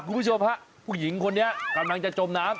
คุณผู้ชมฮะผู้หญิงคนนี้กำลังจะจมน้ำ